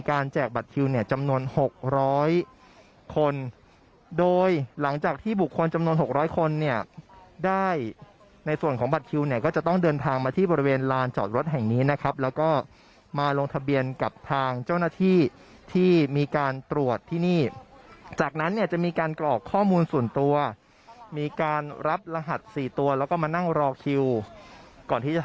แจกบัตรคิวเนี่ยจำนวน๖๐๐คนโดยหลังจากที่บุคคลจำนวน๖๐๐คนเนี่ยได้ในส่วนของบัตรคิวเนี่ยก็จะต้องเดินทางมาที่บริเวณลานจอดรถแห่งนี้นะครับแล้วก็มาลงทะเบียนกับทางเจ้าหน้าที่ที่มีการตรวจที่นี่จากนั้นเนี่ยจะมีการกรอกข้อมูลส่วนตัวมีการรับรหัส๔ตัวแล้วก็มานั่งรอคิวก่อนที่จะ